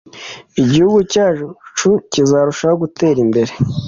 igihugu cyacu kizarushaho gutera imbere